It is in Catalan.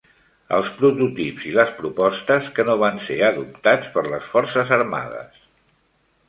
Els prototips i les propostes que no van ser adoptats per les forces armades.